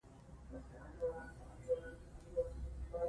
دا ژبه مو له تاریخه راغلي ده.